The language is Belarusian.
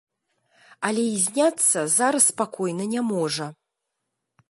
Але і зняцца зараз спакойна не можа.